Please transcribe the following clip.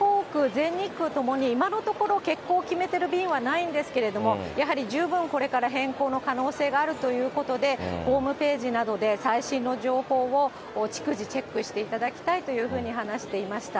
全日空ともに今のところ、欠航を決めてる便はないんですけれども、やはり十分これから変更の可能性があるということで、ホームページなどで最新の情報を逐次、チェックしていただきたいというふうに話していました。